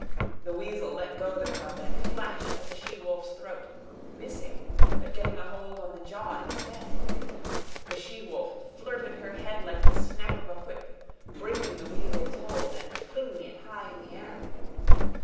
The weasel let go the cub and flashed at the she wolf's throat, missing, but getting a hold on the jaw instead. The she wolf flirted her head like the snap of a whip, breaking the weasel's hold and flinging it high in the air.